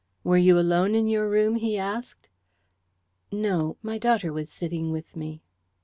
"Were you alone in your room?" he asked. "No. My daughter was sitting with me."